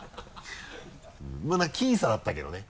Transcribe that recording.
まぁ僅差だったけどね。